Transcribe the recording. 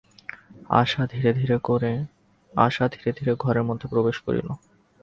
আশা ধীরে ধীরে ঘরের মধ্যে প্রবেশ করিল।